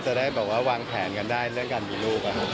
จะได้แบบว่าวางแผนกันได้เรื่องการมีลูก